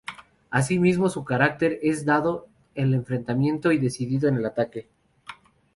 Asímismo su carácter es dado al enfrentamiento y decidido en el ataque.